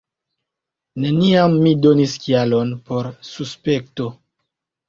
Neniam mi donis kialon por suspekto.